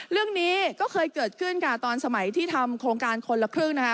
เรื่องนี้ก็เคยเกิดขึ้นค่ะตอนสมัยที่ทำโครงการคนละครึ่งนะคะ